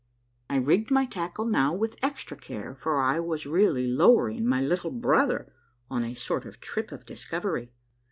I rigged my tackle now with extra care, for I was really low ering my little brother on a sort of trip of discovery.